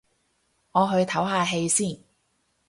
我去唞下氣先